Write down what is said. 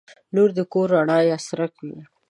• لور د کور د رڼا څرک وي.